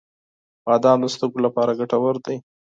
• بادام د سترګو لپاره ګټور وي.